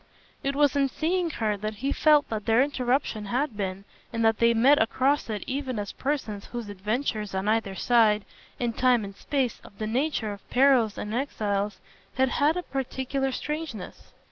It was in seeing her that he felt what their interruption had been, and that they met across it even as persons whose adventures, on either side, in time and space, of the nature of perils and exiles, had had a peculiar strangeness.